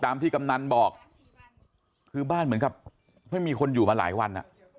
ที่กำนันบอกคือบ้านเหมือนกับไม่มีคนอยู่มาหลายวัน